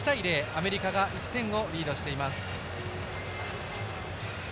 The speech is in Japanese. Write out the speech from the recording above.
アメリカが１点をリードしています。